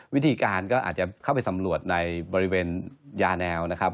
วิธีการก็อาจจะเข้าไปสำรวจในบริเวณยาแนวนะครับ